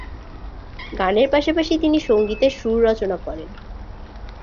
গানের পাশাপাশি তিনি সংগীতের সুর রচনা করেন।